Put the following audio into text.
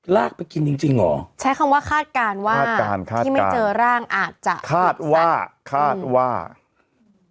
ลากไปกินจริงจริงเหรอใช้คำว่าคาดการณ์ว่าคาดการณ์ครับที่ไม่เจอร่างอาจจะคาดว่าคาดว่า